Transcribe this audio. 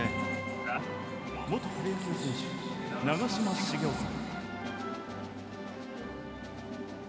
元プロ野球選手、長嶋茂雄さん。